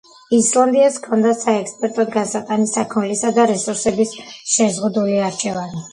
ისლანდიას ჰქონდა საექსპორტოდ გასატანი საქონლისა და რესურსების შეზღუდული არჩევანი.